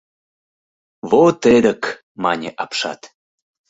— Вот эдык, — мане апшат.